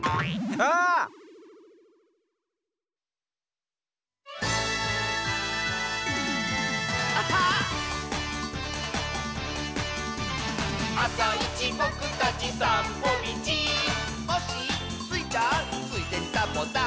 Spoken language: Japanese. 「あさいちぼくたちさんぽみち」「コッシースイちゃん」「ついでにサボさん」